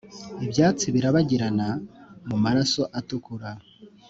ibyatsi birabagirana mu maraso atukura;